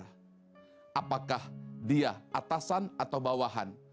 apakah dia atasan atau bawahan